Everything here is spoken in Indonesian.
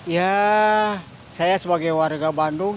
ya saya sebagai warga bandung